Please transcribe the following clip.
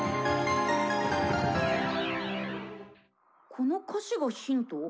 「この歌詞がヒント？」。